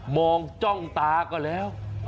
มองจ้องตาก็แล้ว